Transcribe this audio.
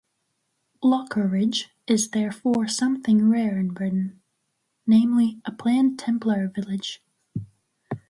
Lockeridge is therefore something rare in Britain, namely a planned Templar village.